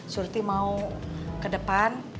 surti mau ke depan